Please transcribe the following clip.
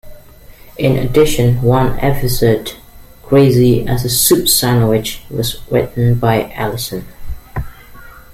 In addition, one episode, "Crazy as a Soup Sandwich", was written by Ellison.